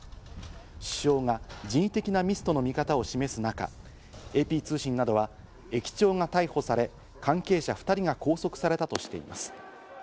首相が人為的なミスとの見方を示す中、ＡＰ通信などは、駅長が逮捕され、関係者２人が拘束されたとしています。